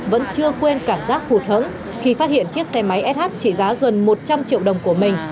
vẫn chưa quên cảm giác hụt hẫng khi phát hiện chiếc xe máy sh trị giá gần một trăm linh triệu đồng của mình